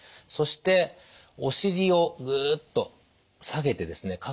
そしておしりをグッと下げてですね